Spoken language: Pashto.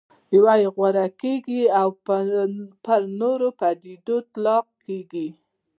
یوه یې غوره کېږي او پر نوې پدیدې اطلاق کېږي.